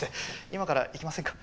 今から行きませんか？